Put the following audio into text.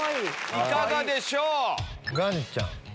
いかがでしょう？